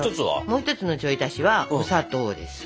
もう一つのちょい足しはお砂糖です。